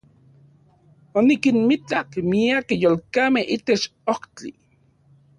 Onikinmitak miakej yolkamej itech ojtli.